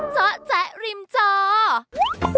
เจ้าแจ๊กริมเจ้า